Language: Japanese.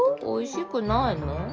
おいしくないの？